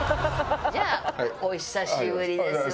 じゃあお久しぶりですわ。